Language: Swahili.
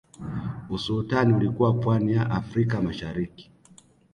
Usultani ulikuwa pwani ya afrika mashariki